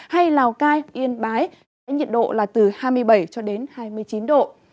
hay lào cai yên bái nhiệt độ là từ hai mươi bảy hai mươi chín độ